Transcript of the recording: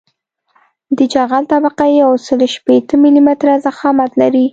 د جغل طبقه یوسل شپیته ملي متره ضخامت لري